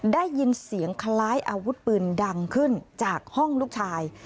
ได้ยินเสียงคล้ายอาวุธปืนดังขึ้นจากห้องลูกชาย